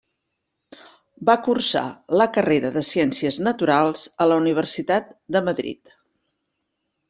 Va cursar la carrera de Ciències Naturals a la Universitat de Madrid.